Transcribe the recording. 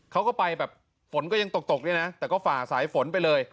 เขาก็ไปแบบฝนก็ยังตกตกด้วยนะแต่ก็ฝ่าสายฝนไปเลย